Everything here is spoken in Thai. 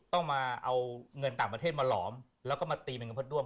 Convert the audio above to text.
ต้องมาเอาเงินต่างประเทศมาหลอมแล้วก็มาตีเป็นเงินเพื่อด้วม